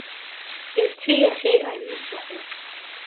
Иаци иахьеи аҩны сыҟоуп.